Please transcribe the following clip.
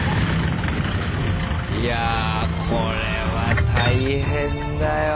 いやこれは大変だよ。